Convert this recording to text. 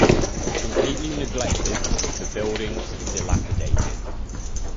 Completely neglected, the buildings dilapidated.